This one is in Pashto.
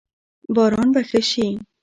باران به وشي؟